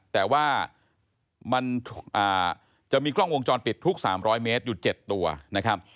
แต่ว่ามันจะมีกล้องวงจรปิดทุก๓๐๐เมตรอยู่๗ตัวนะครับ